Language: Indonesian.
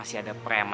nih buat kamu